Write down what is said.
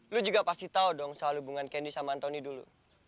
lo juga pasti tau dong soal hubungan candy sama antoni dulu